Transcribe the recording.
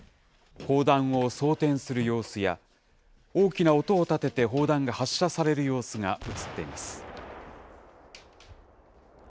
砲弾を装填する様子や、大きな音を立てて砲弾が発射される様子が写っています。